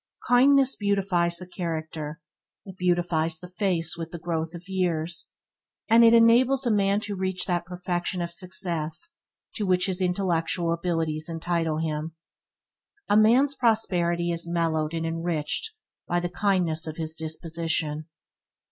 Kindness beautifies the character, it beautifies the face with the growth of the years, and it enables a man to reach that perfection of success to which his intellectual abilities entitle him. A man's prosperity is mellowed and enriched by the kindness of his disposition.